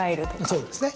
そうですね。